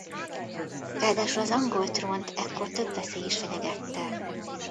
Ráadásul az angol trónt ekkor több veszély is fenyegette.